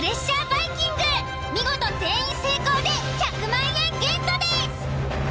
バイキング見事全員成功で１００万円ゲットです。